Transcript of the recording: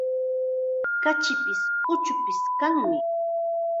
Kachipis, uchupis kanmi.